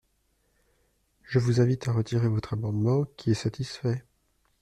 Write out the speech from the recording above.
Je vous invite à retirer votre amendement, qui est satisfait.